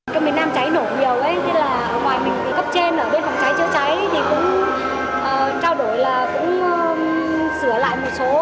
trong miền nam cháy nổ nhiều ngoài mình thì cấp trên ở bên phòng cháy chữa cháy thì cũng trao đổi là cũng sửa lại một số